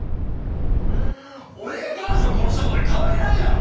俺が彼女殺したことに変わりないだろ！